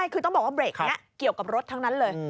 คือต้องบอกว่าเบรกนี้เกี่ยวกับรถทั้งนั้นเลย